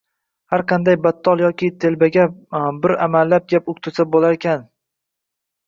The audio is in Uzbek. Har qanday battol yoki telbaga bir amallab gap uqtirsa bo‘lar balkim.